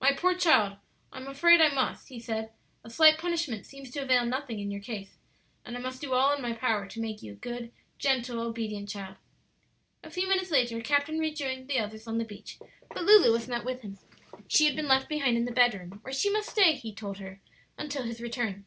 "My poor child, I am afraid I must," he said; "a slight punishment seems to avail nothing in your case, and I must do all in my power to make you a good, gentle, obedient child." A few minutes later Captain Raymond joined the others on the beach, but Lulu was not with him. She had been left behind in the bedroom, where she must stay, he told her, until his return.